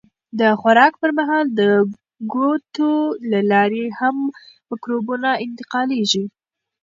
د خوراک پر مهال د ګوتو له لارې هم مکروبونه انتقالېږي.